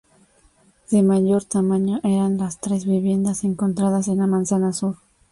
De mayor tamaño eran las tres viviendas encontradas en la manzana sur.